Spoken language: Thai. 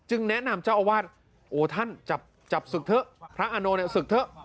แนะนำเจ้าอาวาสโอ้ท่านจับศึกเถอะพระอาโนเนี่ยศึกเถอะ